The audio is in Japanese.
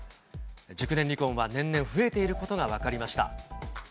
熟年離婚は年々増えていることが分かりました。